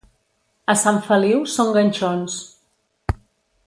A Sant Feliu són ganxons.